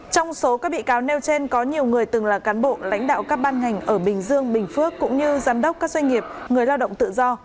trong số các bị cáo nêu trên có nhiều người từng là cán bộ lãnh đạo các ban ngành ở bình dương bình phước cũng như giám đốc các doanh nghiệp người lao động tự do